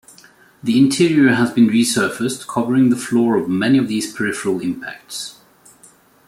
The interior has been resurfaced, covering the floor of many of these peripheral impacts.